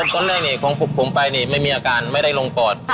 ตอนแรกผมไปไม่มีอาการไม่ได้ลงบหัว